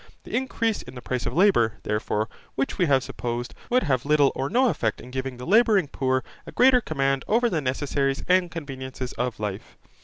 The increase in the price of labour, therefore, which we have supposed, would have little or no effect in giving the labouring poor a greater command over the necessaries and conveniences of life.